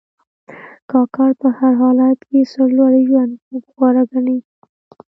کاکړ په هر حالت کې سرلوړي ژوند غوره ګڼي.